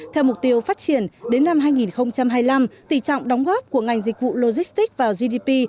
theo mục tiêu phát triển đến năm hai nghìn hai mươi năm tỷ trọng đóng góp của ngành dịch vụ logistics vào gdp